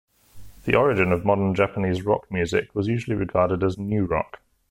The origin of modern Japanese rock music was usually regarded as new rock.